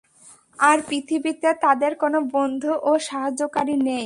আর পৃথিবীতে তাদের কোন বন্ধু ও সাহায্যকারী নেই।